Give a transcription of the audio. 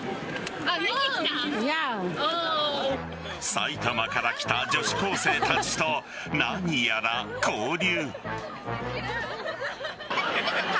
埼玉から来た女子高生たちと何やら交流。